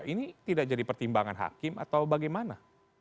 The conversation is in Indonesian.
ini tidak jadi pertimbangan hakim atau bagaimana